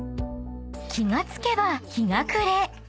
［気が付けば日が暮れ］